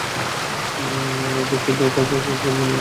নানা ঝক্কি হবে ভেবে কোরবানির ঈদে বাড়ি যাবেন বলে ঠিক করেছিলেন।